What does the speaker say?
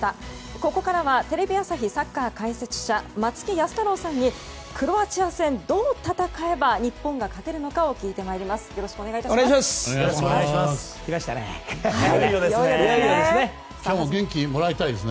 ここからはテレビ朝日サッカー解説者松木安太郎さんにクロアチア戦、どう戦えば日本が勝てるのかを聞いて参ります。